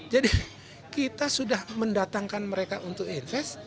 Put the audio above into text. jadi kita sudah mendatangkan mereka untuk invest